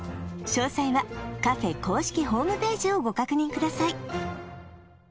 詳細はカフェ公式ホームページをご確認ください